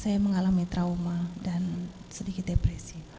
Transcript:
saya sudah mengalami trauma dan sedikit depresi saya sudah mengalami trauma dan sedikit depresi